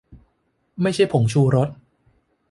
ไม่ใช่ผงชูรส